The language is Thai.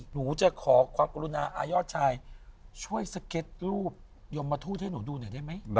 หนูจะขอความกรุณาอายอดชายช่วยสเก็ตรูปยมทูตให้หนูดูหน่อยได้ไหม